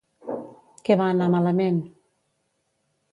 Què va anar malament?